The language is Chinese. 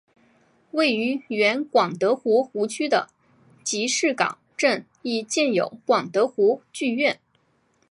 位于原广德湖湖区的集士港镇亦建有广德湖剧院。